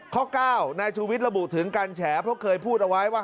ข้อก้าวในชุวิตระบุถึงการแฉะเพื่อเคยพูดเอาไว้ว่า